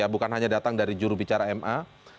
bukan hanya datang dari juru bicara ma